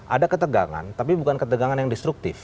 ada ketegangan tapi bukan ketegangan yang destruktif